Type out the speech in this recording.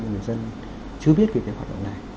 người dân chưa biết về cái hoạt động này